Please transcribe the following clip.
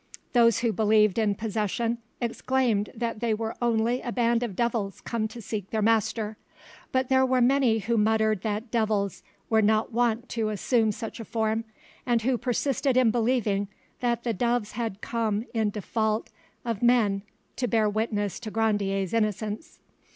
Those who believed in possession exclaimed that they were only a band of devils come to seek their master, but there were many who muttered that devils were not wont to assume such a form, and who persisted in believing that the doves had come in default of men to bear witness to Grandier's innocence.